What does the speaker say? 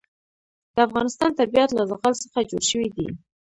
د افغانستان طبیعت له زغال څخه جوړ شوی دی.